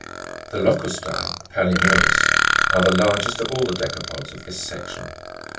13. The locustse (Palinu'rus} are the largest of all the deca pods of this section.